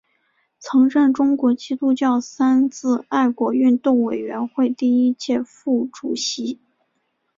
曾任中国基督教三自爱国运动委员会第一届副主席。